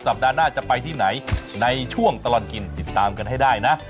ปัดหน้าจะไปที่ไหนในช่วงตลอดกินติดตามกันให้ได้นะ